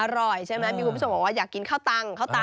อร่อยใช่ไหมมีคุณผู้ชมบอกว่าอยากกินข้าวตัง